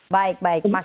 baik baik mas